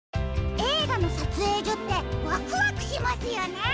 えいがのさつえいじょってワクワクしますよね！